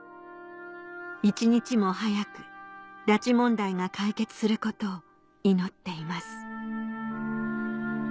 「一日も早く拉致問題が解決することを祈っています」